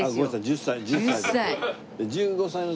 １０歳１０歳で。